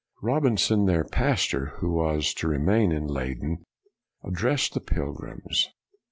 Robinson, their pastor, who was to re main at Leyden, addressed the pilgrims.